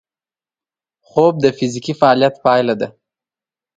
خوب د فزیکي فعالیت پایله ده